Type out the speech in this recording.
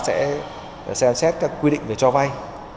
có thể chúng ta sẽ xem xét các quy định về cho vay